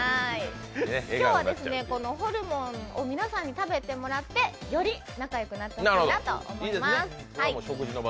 今日はホルモンを皆さんに食べてもらってより仲良くなってほしいなと思います。